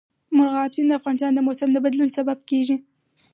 مورغاب سیند د افغانستان د موسم د بدلون سبب کېږي.